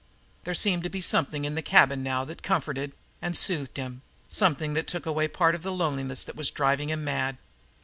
There seemed to be something in the cabin now that comforted and soothed him, something that took away a part of the loneliness that was driving him mad.